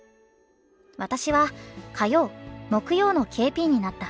「私は火曜木曜のＫＰになった。